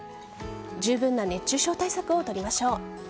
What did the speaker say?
十分な熱中症対策を取りましょう。